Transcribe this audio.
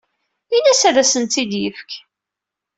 Ini-as ad asent-tt-id-yefk.